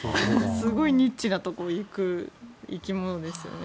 すごいニッチなところに行く生き物ですよね。